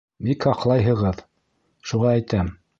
Бик һаҡлайһығыҙ, шуға әйтәм.